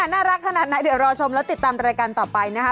น่ารักขนาดไหนเดี๋ยวรอชมแล้วติดตามรายการต่อไปนะคะ